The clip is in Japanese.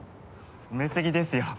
褒め過ぎですよ。